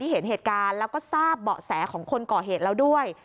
เห็นเหตุการณ์แล้วก็ทราบเบาะแสของคนก่อเหตุแล้วด้วย